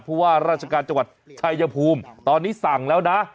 ว่าราชการจังหวัดชายภูมิตอนนี้สั่งแล้วนะ